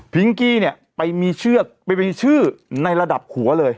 กี้เนี่ยไปมีเชือกไปมีชื่อในระดับหัวเลย